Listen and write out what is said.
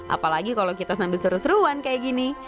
apalagi kalau kita sambil seru seruan kayak gini